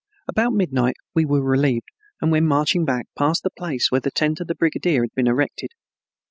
About midnight we were relieved, and when marching back, passed the place where the tent of the brigadier had been erected.